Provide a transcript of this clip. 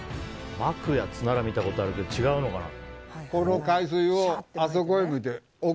まくやつなら見たことあるけど違うのかな。